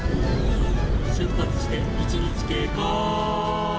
「出発して１日経過」